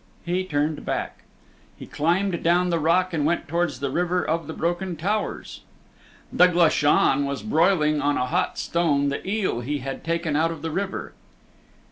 He turned back. He climbed down the rock and went towards the River of the Broken Towers. The Glashan was broiling on a hot stone the eel he had taken out of the river.